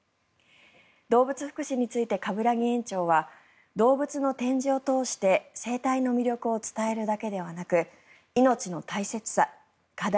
動物福祉について鏑木園長は動物の展示を通して生態の魅力を伝えるだけではなく命の大切さ、課題